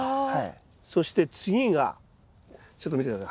そして次がちょっと見てください。